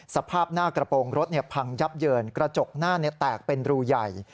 สภาพหน้ากระโปรงรถพังยับเยินกระจกหน้าแตกเป็นรูใหญ่